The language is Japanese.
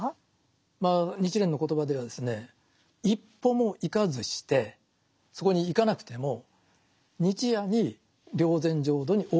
日蓮の言葉ではですね一歩も行かずしてそこに行かなくても日夜に霊山浄土に往復するという言葉が使われてますね。